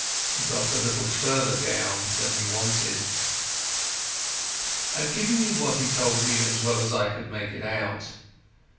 He got a little further down than he wanted. I am giving you what he told me as well as I could make it out.